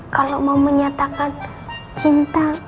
kalau mau menyatakan cinta